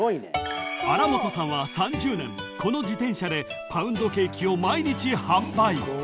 ［新本さんは３０年この自転車でパウンドケーキを毎日販売］